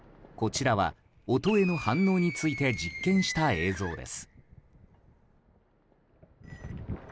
こちらは音への反応について実験した映像です。